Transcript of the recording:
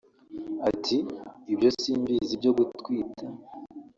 Ati “Ibyo simbizi byo gutwita